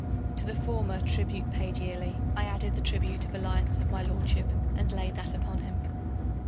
To the former tribute paid yearly I added the tribute of alliance of my lordship and Laid that upon him.